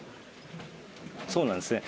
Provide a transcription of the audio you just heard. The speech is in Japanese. そうなんですね。